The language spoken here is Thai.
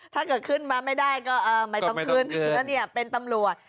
เกิดขึ้นมาไม่ได้ก็ไม่ต้องขึ้นแล้วเนี่ยเป็นตำรวจ